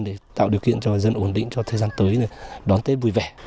để tạo điều kiện cho dân ổn định cho thời gian tới đón tết vui vẻ